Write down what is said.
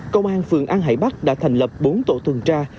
công an phường an hải bắc đã thành lập bốn tổ tuần tra